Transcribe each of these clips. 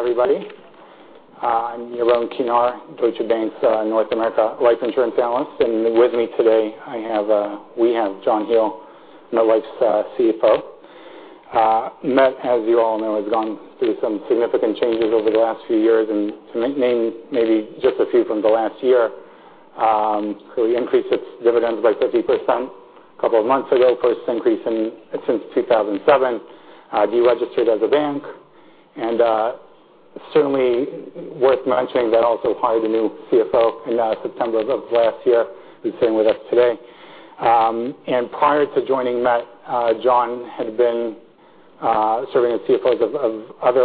Everybody. I'm Yaron Kinar, Deutsche Bank's North America Life Insurance Analyst, and with me today, we have John Hele, MetLife's CFO. Met, as you all know, has gone through some significant changes over the last few years, and to name maybe just a few from the last year, we increased its dividends by 30% a couple of months ago, first increase since 2007, deregistered as a bank, and certainly worth mentioning that also hired a new CFO in September of last year, who's sitting with us today. Prior to joining Met, John had been serving as CFOs of other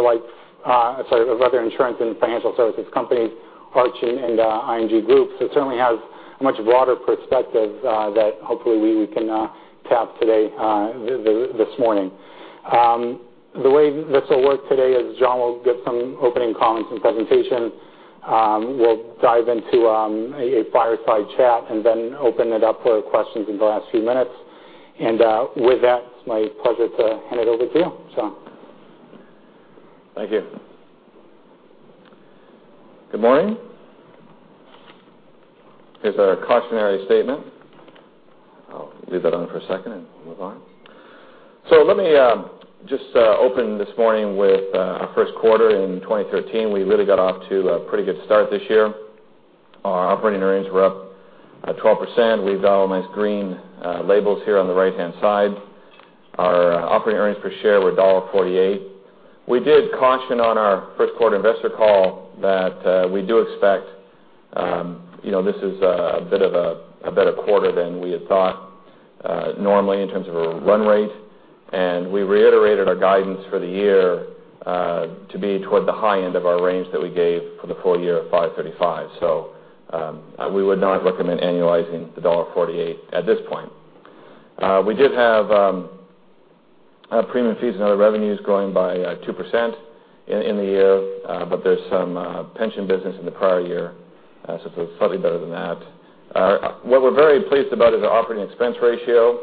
insurance and financial services companies, Arch and ING Group. Certainly has a much broader perspective that hopefully we can tap this morning. The way this will work today is John will give some opening comments and presentation. We'll dive into a fireside chat and then open it up for questions in the last few minutes. With that, it's my pleasure to hand it over to you, John. Thank you. Good morning. Here's our cautionary statement. I'll leave that on for a second and move on. Let me just open this morning with our first quarter in 2013. We really got off to a pretty good start this year. Our operating earnings were up at 12%. We've got all nice green labels here on the right-hand side. Our operating earnings per share were $1.48. We did caution on our first quarter investor call that we do expect this is a bit of a better quarter than we had thought normally in terms of a run rate, and we reiterated our guidance for the year to be toward the high end of our range that we gave for the full year of $535. We would not recommend annualizing the $1.48 at this point. We did have our premium fees and other revenues growing by 2% in the year, but there's some pension business in the prior year, so it's slightly better than that. What we're very pleased about is our operating expense ratio.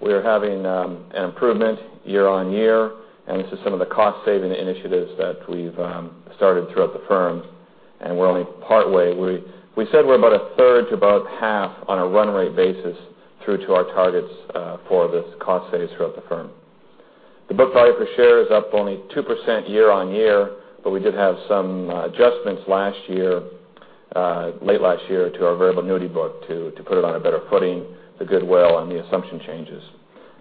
We are having an improvement year-on-year, and this is some of the cost-saving initiatives that we've started throughout the firm, and we're only partway. We said we're about a third to about half on a run-rate basis through to our targets for this cost save throughout the firm. The book value per share is up only 2% year-on-year, but we did have some adjustments late last year to our variable annuity book to put it on a better footing, the goodwill on the assumption changes.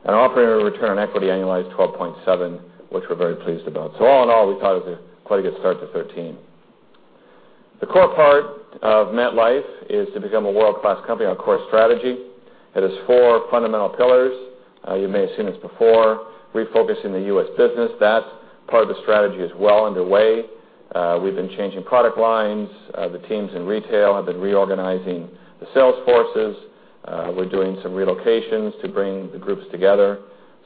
Our operating return on equity annualized 12.7%, which we're very pleased about. All in all, we thought it was quite a good start to 2013. The core part of MetLife is to become a world-class company, our core strategy. It is four fundamental pillars. You may have seen this before. Refocus in the U.S. business. That part of the strategy is well underway. We've been changing product lines. The teams in retail have been reorganizing the sales forces. We're doing some relocations to bring the groups together.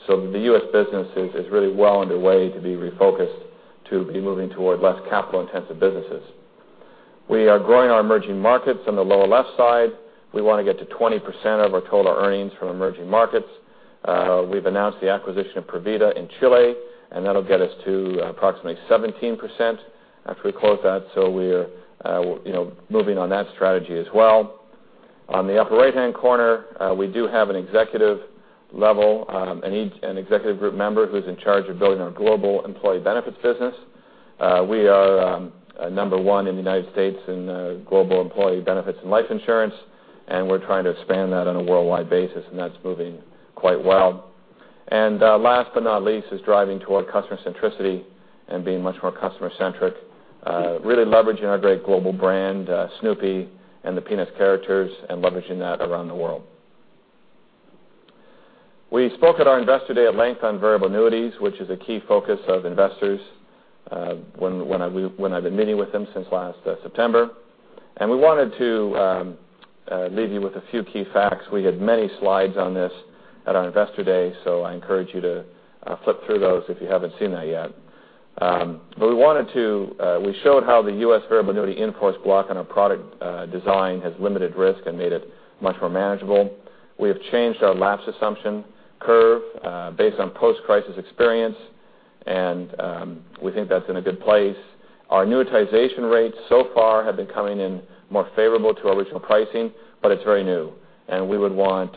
The U.S. business is really well underway to be refocused to be moving toward less capital-intensive businesses. We are growing our emerging markets on the lower left side. We want to get to 20% of our total earnings from emerging markets. We've announced the acquisition of Provida in Chile, and that'll get us to approximately 17% after we close that. We're moving on that strategy as well. On the upper right-hand corner, we do have an executive level, an executive group member who's in charge of building our global employee benefits business. We are number 1 in the United States in global employee benefits and life insurance. We're trying to expand that on a worldwide basis. That's moving quite well. Last but not least, is driving toward customer centricity and being much more customer centric, really leveraging our great global brand, Snoopy and the Peanuts characters, and leveraging that around the world. We spoke at our Investor Day at length on variable annuities, which is a key focus of investors when I've been meeting with them since last September. We wanted to leave you with a few key facts. We had many slides on this at our Investor Day. I encourage you to flip through those if you haven't seen that yet. We showed how the U.S. variable annuity in-force block on our product design has limited risk and made it much more manageable. We have changed our lapse assumption curve based on post-crisis experience. We think that's in a good place. Our annuitization rates so far have been coming in more favorable to our original pricing, but it's very new. We would want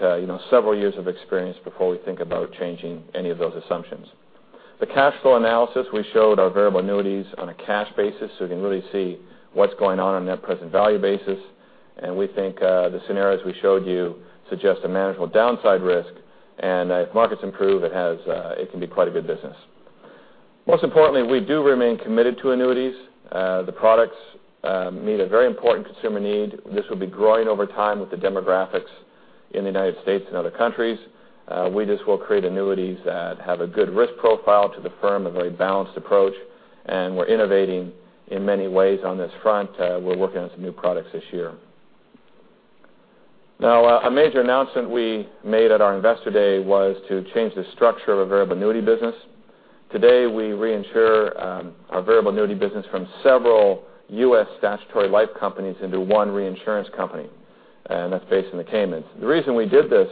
several years of experience before we think about changing any of those assumptions. The cash flow analysis, we showed our variable annuities on a cash basis. We can really see what's going on net present value basis. We think the scenarios we showed you suggest a manageable downside risk. If markets improve, it can be quite a good business. Most importantly, we do remain committed to annuities. The products meet a very important consumer need. This will be growing over time with the demographics in the United States and other countries. We just will create annuities that have a good risk profile to the firm, a very balanced approach. We're innovating in many ways on this front. We're working on some new products this year. A major announcement we made at our Investor Day was to change the structure of our variable annuity business. Today, we reinsure our variable annuity business from several U.S. statutory life companies into one reinsurance company. That's based in the Caymans. The reason we did this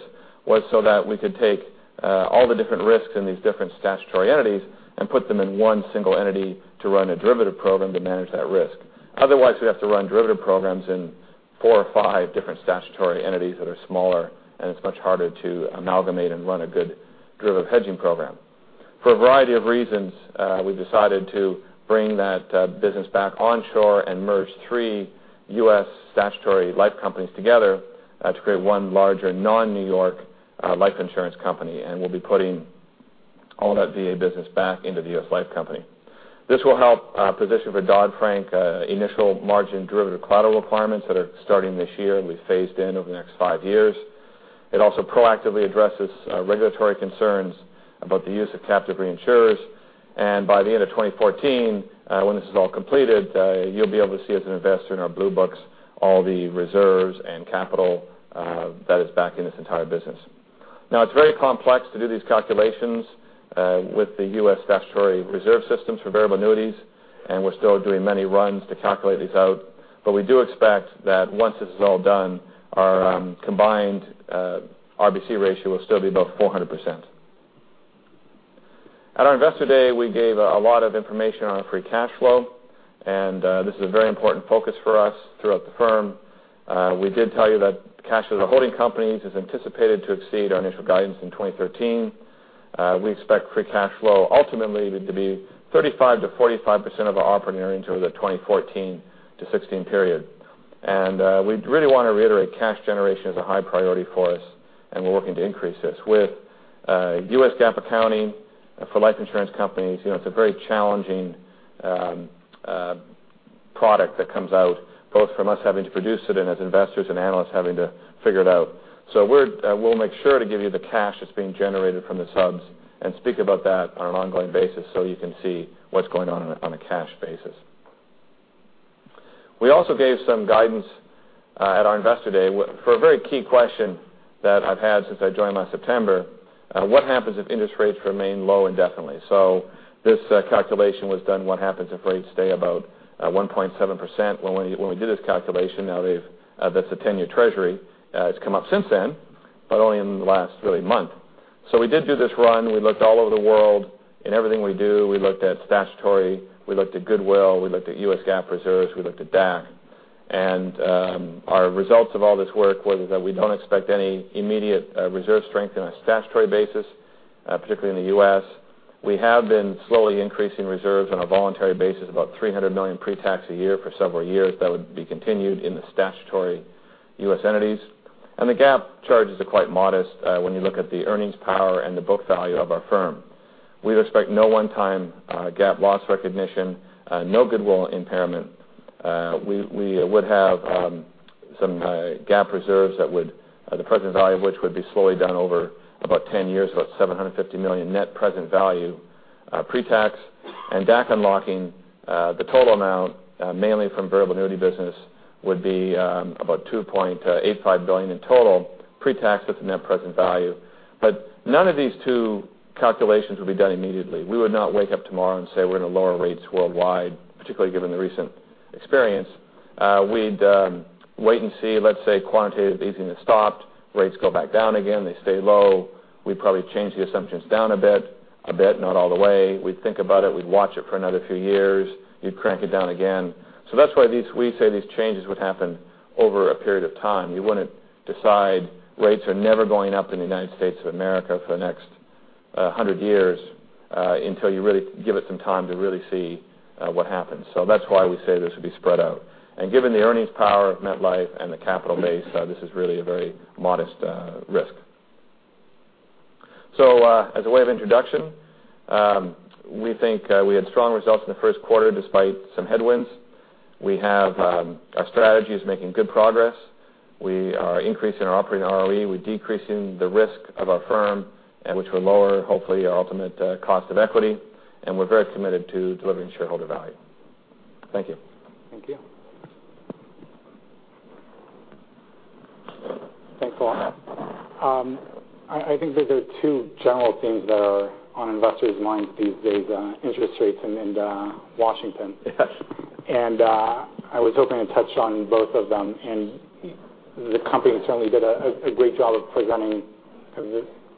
was so that we could take all the different risks in these different statutory entities and put them in one single entity to run a derivative program to manage that risk. Otherwise, we'd have to run derivative programs in four or five different statutory entities that are smaller, and it's much harder to amalgamate and run a good derivative hedging program. For a variety of reasons, we decided to bring that business back onshore and merge three U.S. statutory life companies together to create one larger, non-New York life insurance company. We'll be putting all that VA business back into the U.S. life company. This will help position for Dodd-Frank initial margin derivative collateral requirements that are starting this year, and will be phased in over the next five years. It also proactively addresses regulatory concerns about the use of captive reinsurers. By the end of 2014, when this is all completed, you'll be able to see, as an investor, in our blue books, all the reserves and capital that is back in this entire business. It's very complex to do these calculations with the U.S. statutory reserve systems for variable annuities, and we're still doing many runs to calculate these out. We do expect that once this is all done, our combined RBC ratio will still be above 400%. At our investor day, we gave a lot of information on our free cash flow, and this is a very important focus for us throughout the firm. We did tell you that cash at our holding companies is anticipated to exceed our initial guidance in 2013. We expect free cash flow ultimately to be 35%-45% of our operating earnings over the 2014-2016 period. We really want to reiterate, cash generation is a high priority for us, and we're working to increase this. With U.S. GAAP accounting for life insurance companies, it's a very challenging product that comes out, both from us having to produce it and as investors and analysts having to figure it out. We'll make sure to give you the cash that's being generated from the subs and speak about that on an ongoing basis so you can see what's going on on a cash basis. We also gave some guidance at our investor day for a very key question that I've had since I joined last September. What happens if interest rates remain low indefinitely? This calculation was done, what happens if rates stay about 1.7%? When we did this calculation, that's the 10-year treasury. It's come up since then, but only in the last really month. We did do this run. We looked all over the world in everything we do. We looked at statutory, we looked at goodwill, we looked at U.S. GAAP reserves, we looked at DAC, and our results of all this work was that we don't expect any immediate reserve strength on a statutory basis, particularly in the U.S. We have been slowly increasing reserves on a voluntary basis, about $300 million pre-tax a year for several years. That would be continued in the statutory U.S. entities. The GAAP charges are quite modest when you look at the earnings power and the book value of our firm. We expect no one-time GAAP loss recognition, no goodwill impairment. We would have some GAAP reserves, the present value of which would be slowly done over about 10 years, about $750 million net present value pre-tax. DAC unlocking, the total amount, mainly from variable annuity business, would be about $2.85 billion in total pre-tax, that's a net present value. But none of these two calculations would be done immediately. We would not wake up tomorrow and say we're going to lower rates worldwide, particularly given the recent experience. We'd wait and see. Let's say quantitative easing is stopped, rates go back down again, they stay low. We'd probably change the assumptions down a bit. A bit, not all the way. We'd think about it. We'd watch it for another few years. You'd crank it down again. That's why we say these changes would happen over a period of time. You wouldn't decide rates are never going up in the United States of America for the next 100 years until you really give it some time to really see what happens. That's why we say this would be spread out. Given the earnings power of MetLife and the capital base, this is really a very modest risk. As a way of introduction, we think we had strong results in the first quarter, despite some headwinds. Our strategy is making good progress. We are increasing our operating ROE. We're decreasing the risk of our firm, which will lower, hopefully, our ultimate cost of equity. We're very committed to delivering shareholder value. Thank you. Thank you. Thanks, John Hele. I think that there are two general themes that are on investors' minds these days, interest rates and Washington. Yes. I was hoping to touch on both of them. The company certainly did a great job of presenting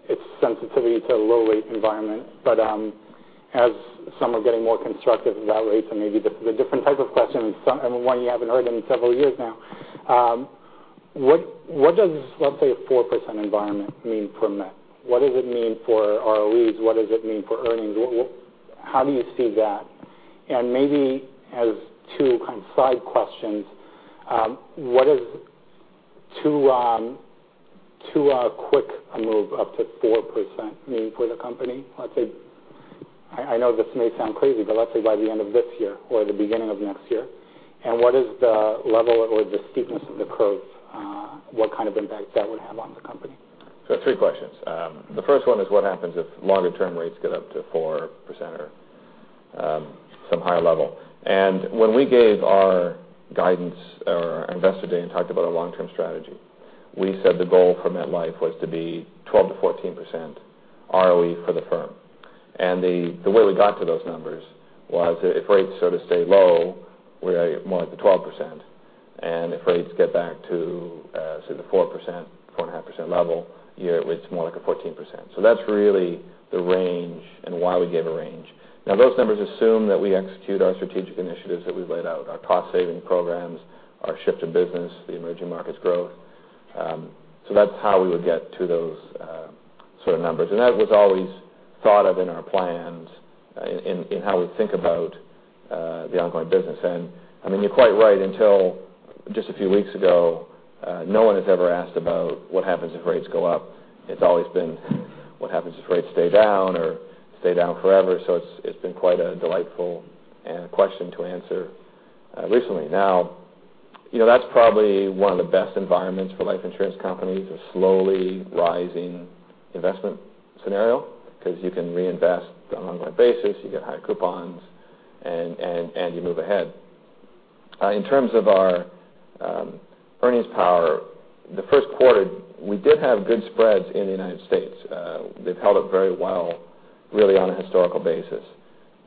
its sensitivity to a low-rate environment. But as some are getting more constructive about rates and maybe the different type of questions, and one you haven't heard in several years now, what does, let's say, a 4% environment mean for MetLife? What does it mean for ROEs? What does it mean for earnings? How do you see that? Maybe as two kind of side questions, what is too quick a move up to 4% mean for the company? I know this may sound crazy, but let's say by the end of this year or the beginning of next year. What is the level or the steepness of the curve, what kind of impact that would have on the company? Three questions. The first one is what happens if longer-term rates get up to 4% or some higher level? When we gave our guidance at our investor day and talked about our long-term strategy, we said the goal for MetLife was to be 12%-14% ROE for the firm. The way we got to those numbers was if rates sort of stay low, we are more at the 12%. If rates get back to, say, the 4%-4.5% level, it's more like a 14%. That's really the range and why we gave a range. Those numbers assume that we execute our strategic initiatives that we've laid out, our cost-saving programs, our shift to business, the emerging markets growth. That's how we would get to those sort of numbers. That was always thought of in our plans in how we think about the ongoing business. You're quite right, until just a few weeks ago, no one has ever asked about what happens if rates go up. It's always been what happens if rates stay down or stay down forever. It's been quite a delightful question to answer recently. That's probably one of the best environments for life insurance companies, a slowly rising investment scenario, because you can reinvest on an ongoing basis, you get high coupons, and you move ahead. In terms of our earnings power, the first quarter, we did have good spreads in the United States. They've held up very well, really, on a historical basis.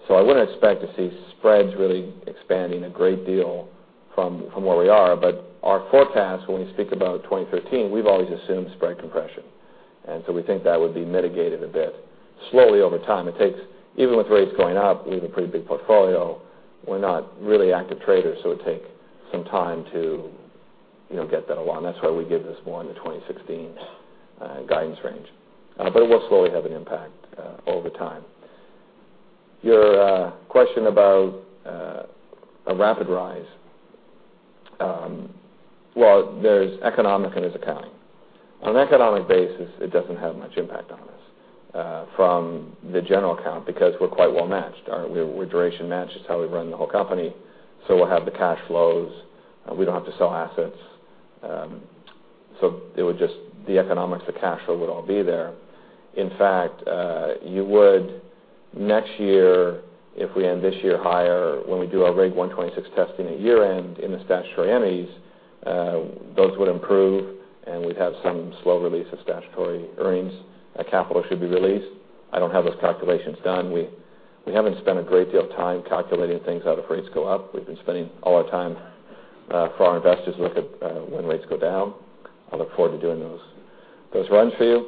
I wouldn't expect to see spreads really expanding a great deal from where we are. Our forecast, when we speak about 2013, we've always assumed spread compression. We think that would be mitigated a bit. Slowly over time, it takes, even with rates going up, we have a pretty big portfolio. We're not really active traders, it would take some time to get that along. That's why we give this more in the 2016 guidance range. It will slowly have an impact over time. Your question about a rapid rise. There's economic and there's accounting. On an economic basis, it doesn't have much impact on us from the general account because we're quite well matched. We're duration matched. It's how we run the whole company. We'll have the cash flows, and we don't have to sell assets. The economics, the cash flow would all be there. In fact, you would next year, if we end this year higher, when we do our Regulation 126 testing at year-end in the statutory ME, those would improve, and we'd have some slow release of statutory earnings. Capital should be released. I don't have those calculations done. We haven't spent a great deal of time calculating things out if rates go up. We've been spending all our time for our investors to look at when rates go down. I look forward to doing those runs for you.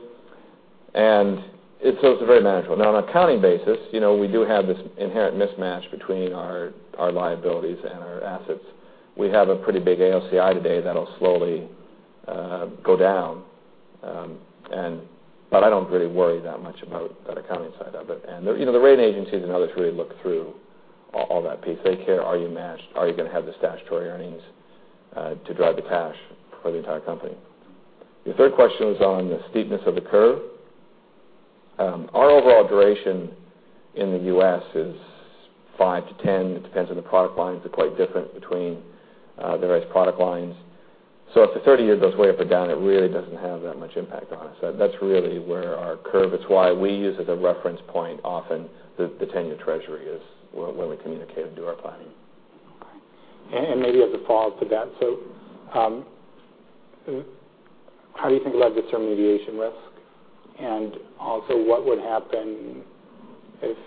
It's very manageable. On an accounting basis, we do have this inherent mismatch between our liabilities and our assets. We have a pretty big AOCI today that'll slowly go down. I don't really worry that much about the accounting side of it. The rating agencies and others really look through all that piece. They care, are you matched? Are you going to have the statutory earnings to drive the cash for the entire company? Your third question was on the steepness of the curve. Our overall duration in the U.S. is 5 to 10. It depends on the product lines. They're quite different between the various product lines. If the 30-year goes way up or down, it really doesn't have that much impact on us. That's really where our curve is, why we use as a reference point often the 10-year treasury is when we communicate or do our planning. Okay. Maybe as a follow-up to that, how do you think about disintermediation risk? Also what would happen if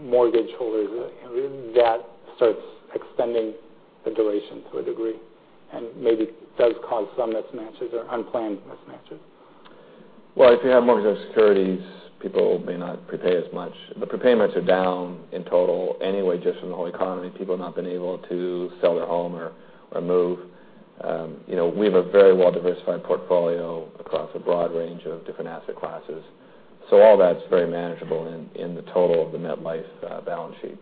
mortgage holders, that starts extending the duration to a degree and maybe does cause some mismatches or unplanned mismatches? If you have mortgage-backed securities, people may not prepay as much. The prepayments are down in total anyway, just from the whole economy. People have not been able to sell their home or move. We have a very well-diversified portfolio across a broad range of different asset classes. All that's very manageable in the total of the MetLife balance sheet.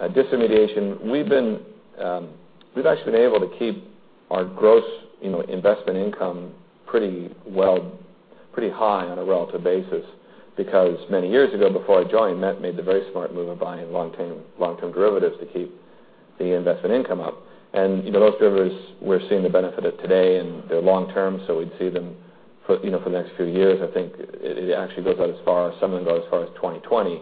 Disintermediation, we've actually been able to keep our gross investment income pretty high on a relative basis because many years ago, before I joined, Met made the very smart move of buying long-term derivatives to keep the investment income up. Those derivatives, we're seeing the benefit of today, and they're long-term, so we'd see them for the next few years. I think it actually goes out as far, some of them go as far as 2020.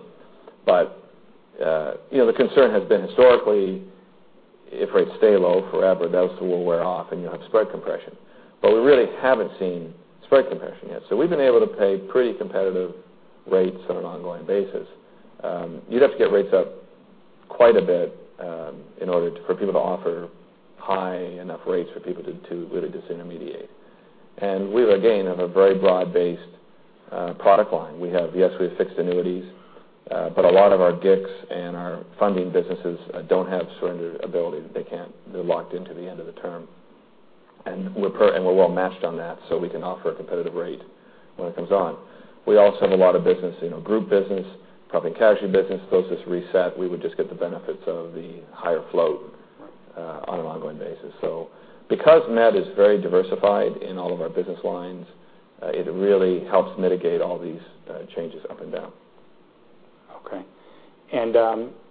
The concern has been historically, if rates stay low forever, those will wear off, and you'll have spread compression. We really haven't seen spread compression yet. We've been able to pay pretty competitive rates on an ongoing basis. You'd have to get rates up quite a bit in order for people to offer high enough rates for people to really disintermediate. We, again, have a very broad-based product line. Yes, we have fixed annuities, but a lot of our GICs and our funding businesses don't have surrender ability. They're locked into the end of the term. We're well matched on that, so we can offer a competitive rate when it comes on. We also have a lot of business, group business, property and casualty business. Those just reset. We would just get the benefits of the higher float on an ongoing basis. Because Met is very diversified in all of our business lines, it really helps mitigate all these changes up and down. Okay.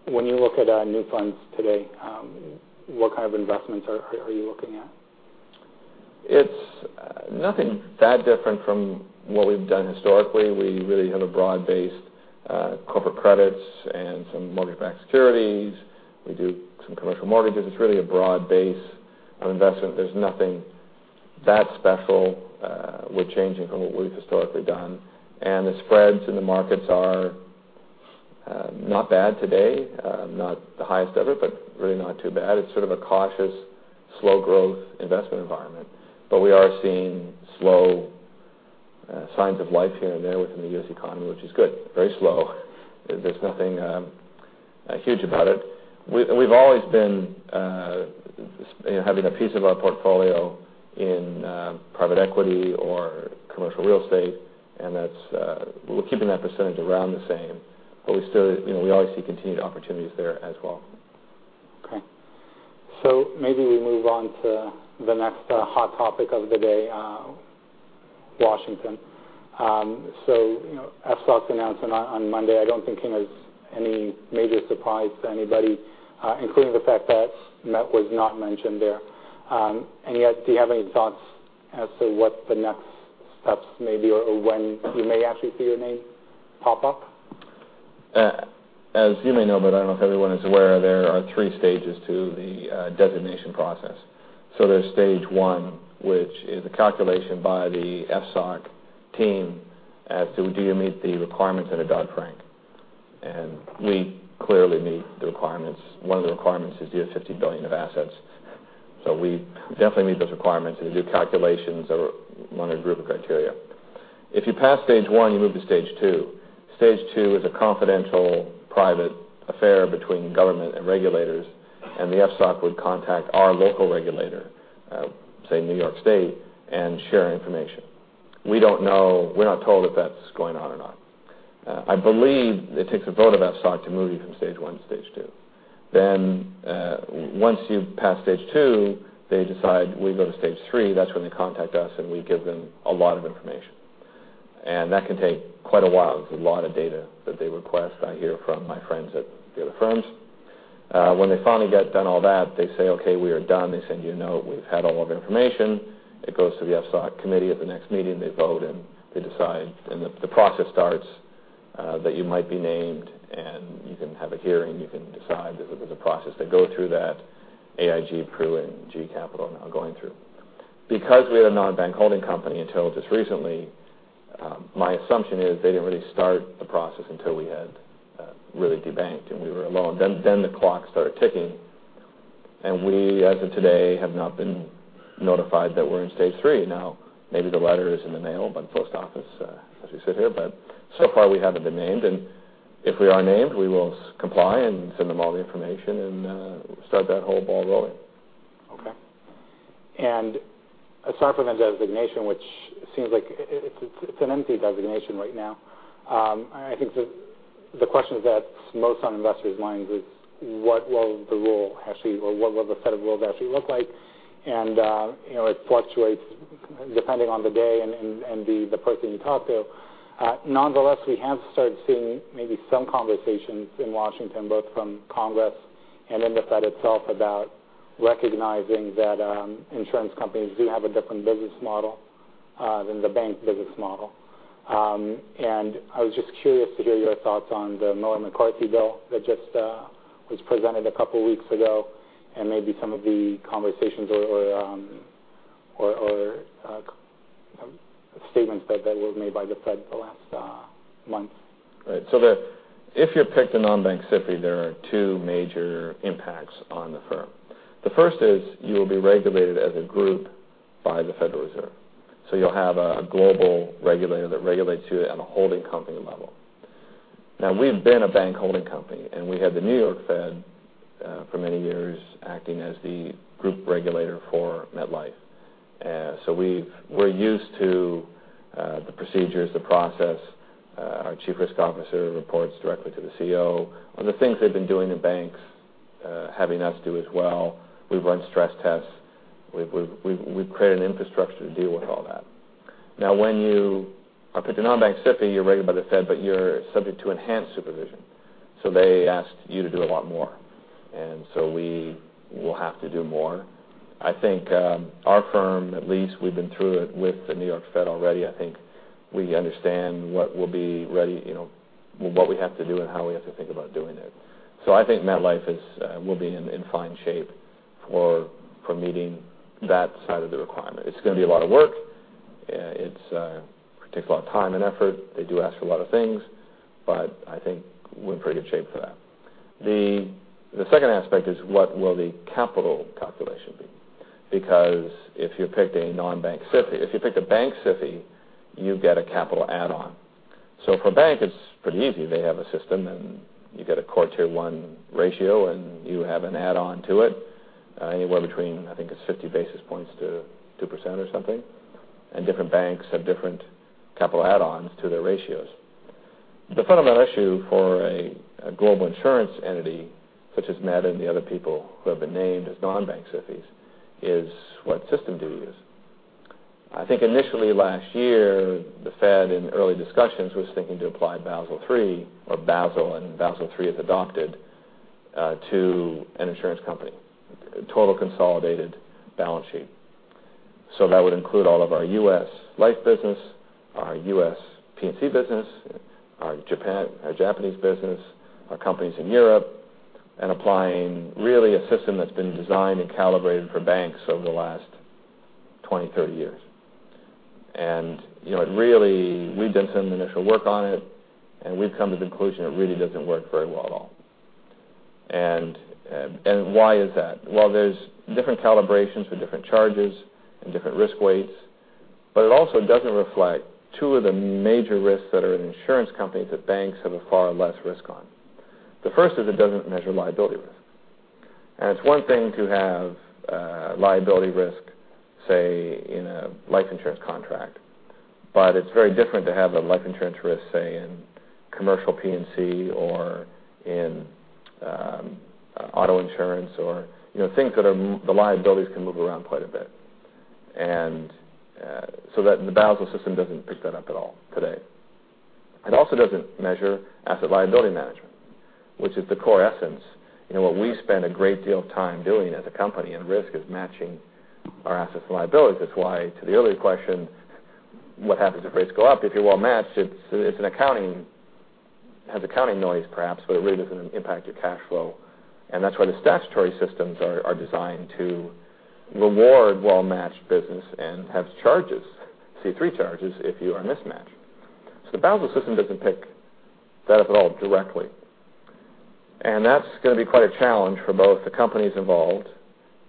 When you look at new funds today, what kind of investments are you looking at? It's nothing that different from what we've done historically. We really have a broad base Corporate credits and some mortgage-backed securities. We do some commercial mortgages. It's really a broad base of investment. There's nothing that special with changing from what we've historically done. The spreads in the markets are not bad today. Not the highest ever, but really not too bad. It's sort of a cautious, slow growth investment environment. We are seeing slow signs of life here and there within the U.S. economy, which is good. Very slow. There's nothing huge about it. We've always been having a piece of our portfolio in private equity or commercial real estate, and we're keeping that percentage around the same, but we always see continued opportunities there as well. Okay. Maybe we move on to the next hot topic of the day, Washington. FSOC's announcement on Monday, I don't think it was any major surprise to anybody, including the fact that MetLife was not mentioned there. Yet, do you have any thoughts as to what the next steps may be or when you may actually see your name pop up? As you may know, but I don't know if everyone is aware, there are three stages to the designation process. There's stage 1, which is a calculation by the FSOC team as to do you meet the requirements under Dodd-Frank. We clearly meet the requirements. One of the requirements is you have $50 billion of assets. We definitely meet those requirements. We do calculations over one group of criteria. If you pass stage 1, you move to stage 2. Stage 2 is a confidential, private affair between government and regulators, and the FSOC would contact our local regulator, say, New York State, and share information. We're not told if that's going on or not. I believe it takes a vote of FSOC to move you from stage 1 to stage 2. Once you pass stage 2, they decide we go to stage 3. That's when they contact us, and we give them a lot of information. That can take quite a while. There's a lot of data that they request, I hear from my friends at the other firms. When they finally get done all that, they say, "Okay, we are done." They send you a note. We've had all of the information. It goes to the FSOC committee. At the next meeting, they vote, and they decide, the process starts that you might be named, and you can have a hearing. You can decide. There's a process. They go through that. AIG, Pru, and GE Capital are now going through. Because we had a non-bank holding company until just recently, my assumption is they didn't really start the process until we had really de-banked, and we were alone. The clock started ticking. We, as of today, have not been notified that we're in stage 3. Now, maybe the letter is in the mail, post office, as we sit here, so far, we haven't been named. If we are named, we will comply and send them all the information and start that whole ball rolling. Okay. Aside from the designation, which seems like it's an empty designation right now, I think the question that's most on investors' minds is what will the set of rules actually look like? It fluctuates depending on the day and the person you talk to. Nonetheless, we have started seeing maybe some conversations in Washington, both from Congress and in the Fed itself, about recognizing that insurance companies do have a different business model than the bank business model. I was just curious to hear your thoughts on the Miller-McCarthy bill that just was presented a couple of weeks ago and maybe some of the conversations or statements that were made by the Fed the last month. Right. If you're picked a non-bank SIFI, there are two major impacts on the firm. The first is you will be regulated as a group by the Federal Reserve. You'll have a global regulator that regulates you at a holding company level. We had been a bank holding company, and we had the New York Fed for many years acting as the group regulator for MetLife. We're used to the procedures, the process. Our chief risk officer reports directly to the CEO on the things they've been doing in banks, having us do as well. We've run stress tests. We've created an infrastructure to deal with all that. When you are picked a non-bank SIFI, you're regulated by the Fed, but you're subject to enhanced supervision. They ask you to do a lot more. We will have to do more. I think our firm, at least we've been through it with the New York Fed already. I think we understand what we have to do and how we have to think about doing it. I think MetLife will be in fine shape for meeting that side of the requirement. It's going to be a lot of work. It takes a lot of time and effort. They do ask a lot of things, but I think we're in pretty good shape for that. The second aspect is what will the capital calculation be? Because if you picked a non-bank SIFI, if you picked a bank SIFI, you get a capital add-on. For a bank, it's pretty easy. They have a system, and you get a Core Tier 1 ratio, and you have an add-on to it, anywhere between, I think it's 50 basis points to 2% or something. Different banks have different capital add-ons to their ratios. The fundamental issue for a global insurance entity, such as Met and the other people who have been named as non-bank SIFIs, is what system do you use? I think initially last year, the Fed in early discussions was thinking to apply Basel III or Basel, and Basel III is adopted, to an insurance company. Total consolidated balance sheet. That would include all of our U.S. life business, our U.S. P&C business, our Japanese business, our companies in Europe, and applying really a system that's been designed and calibrated for banks over the last 20, 30 years. We've done some initial work on it, and we've come to the conclusion it really doesn't work very well at all. Why is that? Well, there's different calibrations for different charges and different risk weights, but it also doesn't reflect two of the major risks that are in insurance companies that banks have a far less risk on. The first is it doesn't measure liability risk. It's one thing to have liability risk, say, in a life insurance contract, but it's very different to have the life insurance risk, say, in commercial P&C or in auto insurance or things that the liabilities can move around quite a bit. The Basel system doesn't pick that up at all today. It also doesn't measure asset liability management, which is the core essence. What we spend a great deal of time doing as a company in risk is matching our assets and liabilities. That's why to the earlier question, what happens if rates go up? If you're well matched, it has accounting noise perhaps, but it really doesn't impact your cash flow. That's why the statutory systems are designed to reward well-matched business and have charges, C3 charges, if you are mismatched. The Basel system doesn't pick that up at all directly, and that's going to be quite a challenge for both the companies involved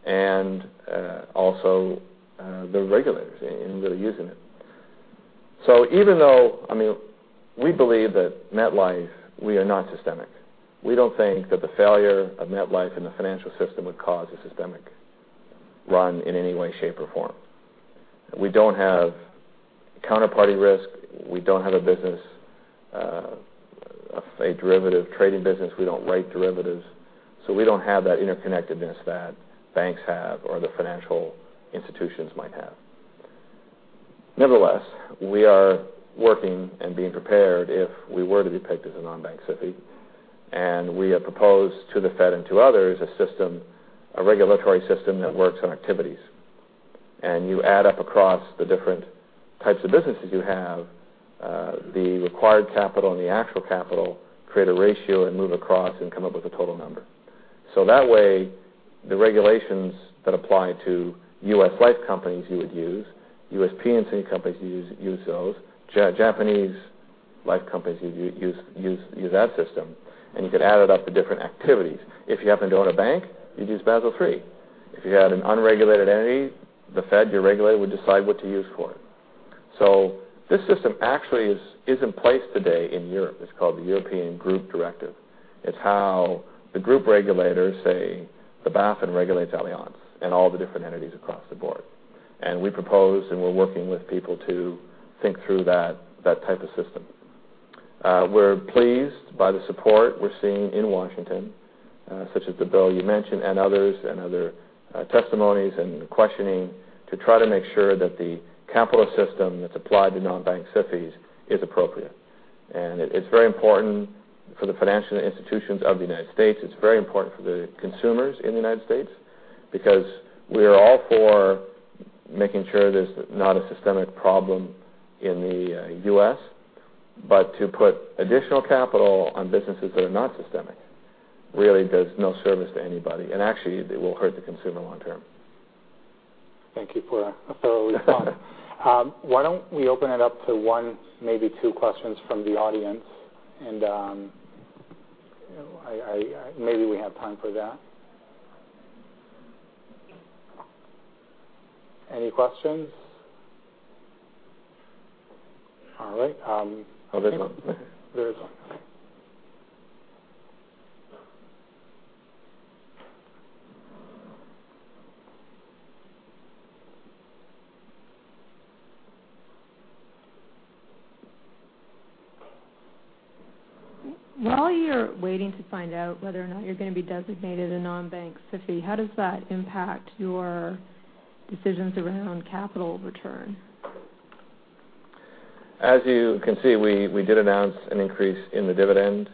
and also the regulators in really using it. Even though we believe that MetLife, we are not systemic. We don't think that the failure of MetLife and the financial system would cause a systemic run in any way, shape, or form. We don't have counterparty risk. We don't have a business, a derivative trading business. We don't write derivatives, so we don't have that interconnectedness that banks have or the financial institutions might have. Nevertheless, we are working and being prepared if we were to be picked as a non-bank SIFI. We have proposed to the Fed and to others a regulatory system that works on activities. You add up across the different types of businesses you have, the required capital and the actual capital, create a ratio, and move across and come up with a total number. That way, the regulations that apply to U.S. life companies, you would use. U.S. P&C companies, you use those. Japanese life companies, you'd use that system. You could add it up to different activities. If you happen to own a bank, you'd use Basel III. If you had an unregulated entity, the Fed, your regulator, would decide what to use for it. This system actually is in place today in Europe. It's called the European Group Directive. It's how the group regulators, say, the BaFin regulates Allianz and all the different entities across the board. We propose, and we're working with people to think through that type of system. We're pleased by the support we're seeing in Washington, such as the bill you mentioned and others, and other testimonies and questioning to try to make sure that the capital system that's applied to non-bank SIFIs is appropriate. It's very important for the financial institutions of the United States. It's very important for the consumers in the United States because we are all for making sure there's not a systemic problem in the U.S., but to put additional capital on businesses that are not systemic really does no service to anybody. Actually, it will hurt the consumer long term. Thank you for a thorough response. Why don't we open it up to one, maybe two questions from the audience? Maybe we have time for that. Any questions? All right. There's one. There is one. While you're waiting to find out whether or not you're going to be designated a non-bank SIFI, how does that impact your decisions around capital return? You can see, we did announce an increase in the dividend.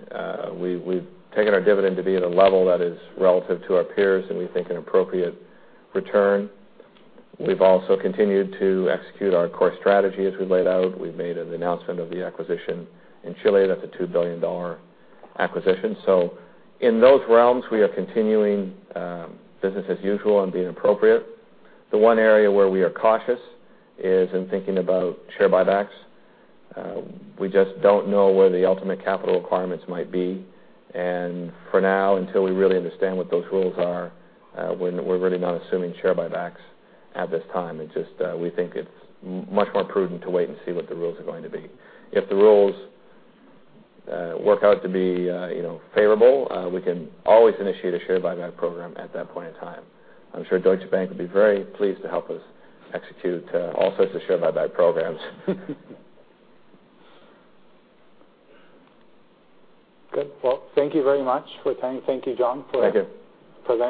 We've taken our dividend to be at a level that is relative to our peers and we think an appropriate return. We've also continued to execute our core strategy as we laid out. We've made an announcement of the acquisition in Chile. That's a $2 billion acquisition. In those realms, we are continuing business as usual and being appropriate. The one area where we are cautious is in thinking about share buybacks. We just don't know where the ultimate capital requirements might be. For now, until we really understand what those rules are, we're really not assuming share buybacks at this time. We think it's much more prudent to wait and see what the rules are going to be. If the rules work out to be favorable, we can always initiate a share buyback program at that point in time. I'm sure Deutsche Bank would be very pleased to help us execute all sorts of share buyback programs. Good. Well, thank you very much for attending. Thank you, John. Thank you presenting.